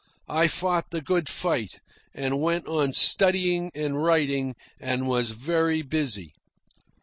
I fought the good fight, and went on studying and writing, and was very busy.